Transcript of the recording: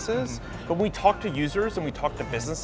tapi ketika kita berbicara dengan pengguna dan bisnis